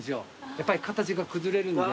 やっぱり形が崩れるんで。